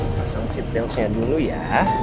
pasang seatbelts nya dulu ya